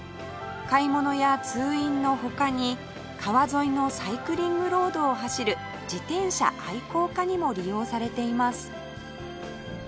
買い物や通院の他に川沿いのサイクリングロードを走る自転車愛好家にも利用されています